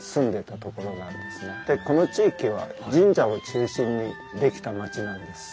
でこの地域は神社を中心にできた町なんです。